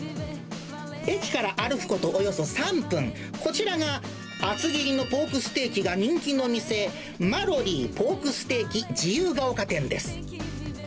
駅から歩くことおよそ３分、こちらが厚切りのポークステーキが人気の店、マロリーポークステーキ自由が丘店です。